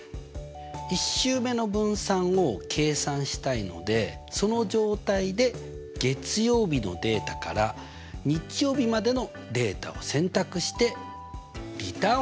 １週目の分散を計算したいのでその状態で月曜日のデータから日曜日までのデータを選択してリターンを押してください。